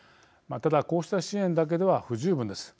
ただ、こうした支援だけでは不十分です。